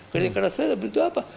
kerja keras itu ada bentuk apa